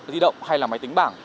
di động hay là máy tính bảng